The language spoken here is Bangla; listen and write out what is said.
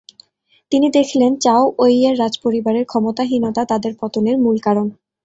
তিনি দেখলেন চাও ওয়েইয়ের রাজপরিবারের ক্ষমতাহীনতা তাদের পতনের মূল কারণ।